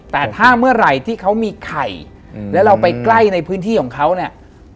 แต่ถ้าเมื่อไหร่ที่เขามีไข่แล้วเราไปใกล้ในพื้นที่ของเขาเนี่ย